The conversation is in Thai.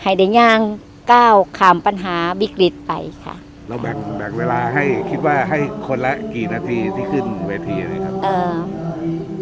ได้ย่างก้าวข้ามปัญหาวิกฤตไปค่ะเราแบ่งแบ่งเวลาให้คิดว่าให้คนละกี่นาทีที่ขึ้นเวทีนะครับอ่า